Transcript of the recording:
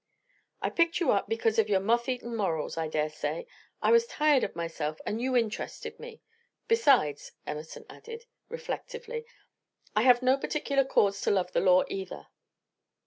"I picked you up because of your moth eaten morals, I dare say. I was tired of myself, and you interested me. Besides," Emerson added, reflectively, "I have no particular cause to love the law, either."